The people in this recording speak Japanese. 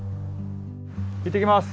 いってきます。